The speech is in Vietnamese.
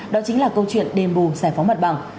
đó chính là câu chuyện đền bù giải phóng mặt bằng